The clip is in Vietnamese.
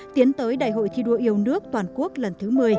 tiến tới đại hội thi đua yêu nước toàn quốc lần thứ một mươi